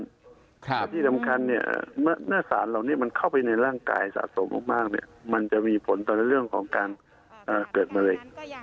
แต่ที่สำคัญเนี่ยเนื้อสารเหล่านี้มันเข้าไปในร่างกายสะสมมากเนี่ย